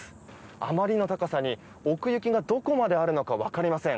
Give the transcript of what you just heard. あまりの高さに奥行きがどこまであるのか分かりません。